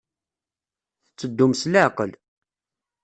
Tetteddum s leɛqel.